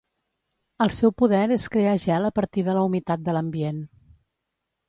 El seu poder és crear gel a partir de la humitat de l'ambient.